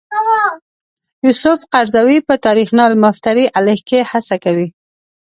یوسف قرضاوي په تاریخنا المفتری علیه کې هڅه کوي.